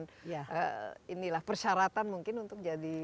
dan inilah persyaratan mungkin untuk jadi